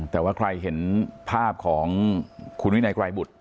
แต่ว่าใครเห็นภาพของคุณวินัยไกรบุตร